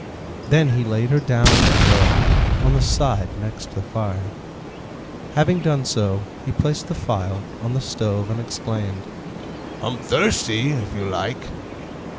Then he laid her down on the fur, on the side next the fire. Having done so, he placed the phial on the stove, and exclaimed, "I'm thirsty, if you like!"